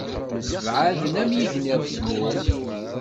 Msebɛaden am yigenni ɣef tmurt.